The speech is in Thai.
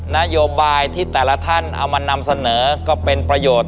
นโยบายที่แต่ละท่านเอามานำเสนอก็เป็นประโยชน์